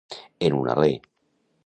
En un alè.